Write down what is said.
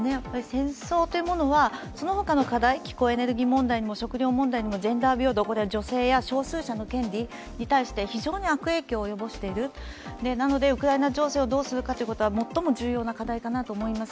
戦争というものはそのほかの課題、気候エネルギー問題にも食料問題、ジェンダー平等、女性にも少数者の権利に非常に悪影響を及ぼしている、なので、ウクライナ情勢をどうするかということは最も重要な課題だと思います。